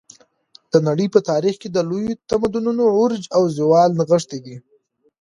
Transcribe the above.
د نړۍ په تاریخ کې د لویو تمدنونو عروج او زوال نغښتی دی.